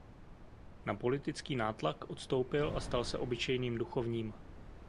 Na politický nátlak odstoupil a stal se obyčejným duchovním.